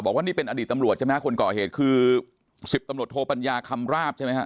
ว่านี่เป็นอดีตตำรวจใช่ไหมคนก่อเหตุคือ๑๐ตำรวจโทปัญญาคำราบใช่ไหมฮะ